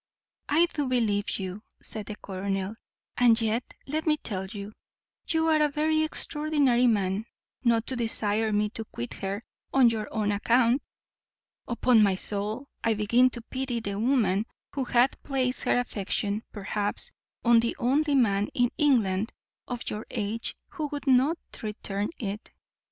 "I do believe you," said the colonel: "and yet, let me tell you, you are a very extraordinary man, not to desire me to quit her on your own account. Upon my soul, I begin to pity the woman, who hath placed her affection, perhaps, on the only man in England of your age who would not return it.